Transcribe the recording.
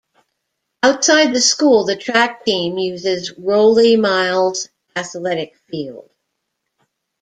Outside the school, the track team uses Rollie Miles Athletic Field.